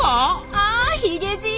あヒゲじい。